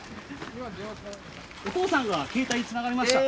お父さんが携帯つながりました。